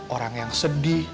orang yang sedih